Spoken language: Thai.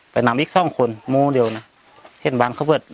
ไปนำอีก๒คนมูเดียวให้บ้านเข้าเวิด